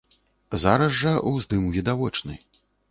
Зараз жа ўздым відавочны.